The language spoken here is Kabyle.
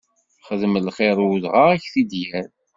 Xdem lxiṛ i udɣaɣ, ad ak-t-id yerr!